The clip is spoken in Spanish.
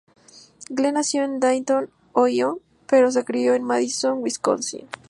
Glenn nació en Dayton, Ohio pero se crio en Madison, Wisconsin.